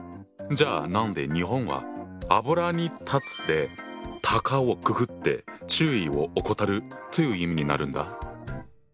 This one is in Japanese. じゃあ何で日本は油に断つで「たかをくくって注意を怠る」という意味になるんだ？